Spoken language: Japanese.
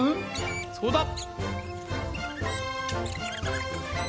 そうだ！